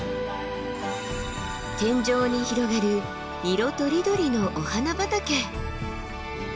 天上に広がる色とりどりのお花畑。